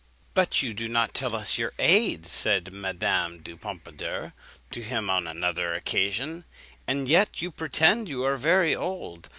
"'But you do not tell us your age,' said Madame du Pompadour to him on another occasion; 'and yet you pretend you are very old.